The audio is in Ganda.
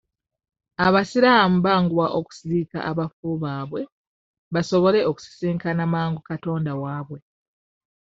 Abasiraamu banguwa okuziika abafu baabwe basobole okusisinkana amangu katonda waabwe.